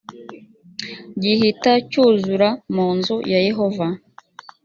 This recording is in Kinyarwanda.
gihita cyuzura mu nzu ya yehova